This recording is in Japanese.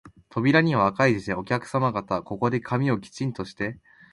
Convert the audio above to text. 扉には赤い字で、お客さま方、ここで髪をきちんとして、